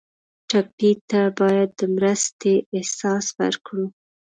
ټپي ته باید د مرستې احساس ورکړو.